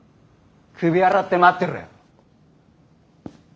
首洗って待ってろよ。